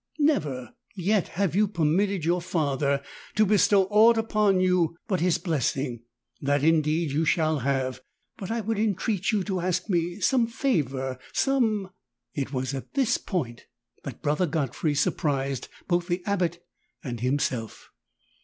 Never yet have you permitted your Father to bestow ought upon you but his blessing : that indeed you shall have, but I would entreat you to ask me some favor, some " It was at this ix)int that Brother Godfrey surprised both the Abbot and himself.